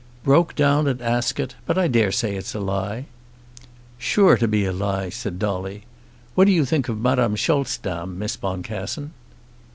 "Broke down at Ascot. But I daresay it's a lie." "Sure to be a lie," said Dolly. "What do you think of Madame Scholzdam, Miss Boncassen?"